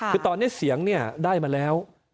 คือตอนนี้เสียงเนี่ยได้มาแล้ว